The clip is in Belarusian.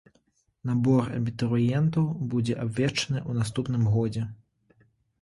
Набор абітурыентаў будзе абвешчаны ў наступным годзе.